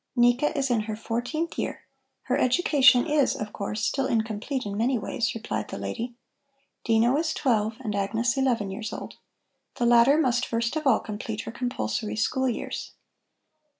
"Nika is in her fourteenth year. Her education is, of course, still incomplete in many ways," replied the lady. "Dino is twelve and Agnes eleven years old. The latter must first of all complete her compulsory school years."